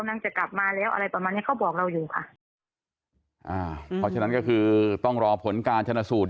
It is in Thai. อยู่ค่ะอ่าเพราะฉะนั้นก็คือต้องรอผลการชะนาสูตร